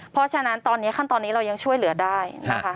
เพราะฉะนั้นขั้นตอนนี้เรายังช่วยเหลือได้